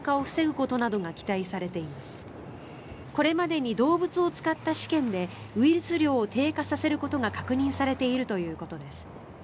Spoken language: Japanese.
これまでに動物を使った試験でウイルス量を低下させることが確認されているということです。